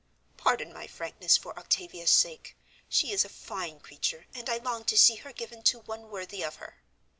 Pardon my frankness for Octavia's sake; she is a fine creature, and I long to see her given to one worthy of her.